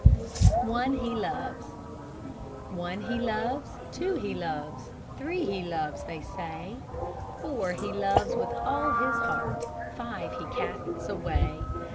ONE, HE LOVES One, he loves; two, he loves; Three, he loves, they say; Four, he loves with all his heart; Five, he casts away.